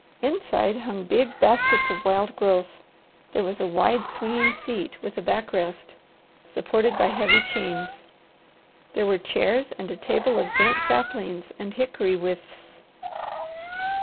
Inside hung big baskets of wild growth; there was a wide swinging seat, with a back rest, supported by heavy chains. There were chairs and a table of bent saplings and hickory withes.